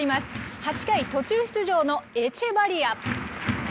８回、途中出場のエチェバリア。